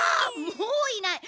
もういない。